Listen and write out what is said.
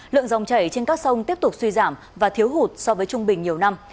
lượng dòng chảy trên các sông tiếp tục suy giảm và thiếu hụt so với trung bình nhiều năm